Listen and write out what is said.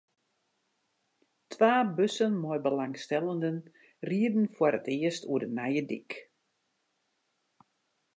Twa bussen mei belangstellenden rieden foar it earst oer de nije dyk.